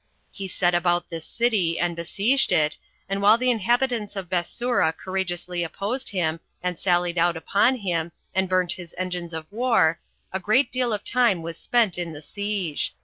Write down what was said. He set about this city, and besieged it. And while the inhabitants of Bethsura courageously opposed him, and sallied out upon him, and burnt his engines of war, a great deal of time was spent in the siege.